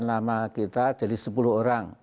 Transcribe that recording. nama kita jadi sepuluh orang